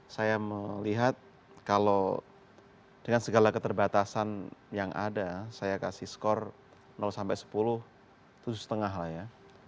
saya melihat kalau dengan segala keterbatasan yang ada saya kasih skor sampai sepuluh tujuh lima lah ya